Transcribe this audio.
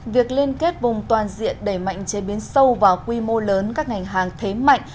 việc liên kết vùng toàn diện đẩy mạnh chế biến sâu vào quy mô lớn các ngành hàng thế mạnh